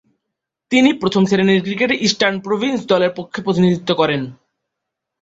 তিনি প্রথম-শ্রেণীর ক্রিকেটে ইস্টার্ন প্রভিন্স দলের পক্ষে প্রতিনিধিত্ব করেন।